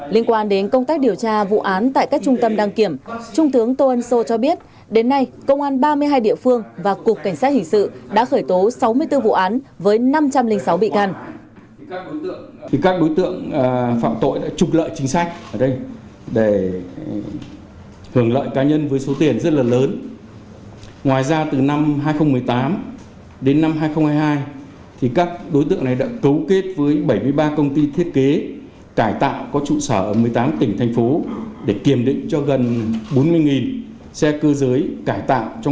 liên quan đến công tác điều tra vụ án tại các trung tâm đăng kiểm trung tướng tô ân sô cho biết đến nay công an ba mươi hai địa phương và cục cảnh sát hình sự đã khởi tố sáu mươi